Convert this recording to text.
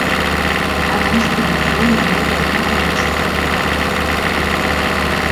Adams inició una nueva etapa en el sector privado.